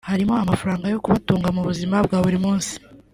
harimo amafaranga yo kubatunga mu buzima bwa buri munsi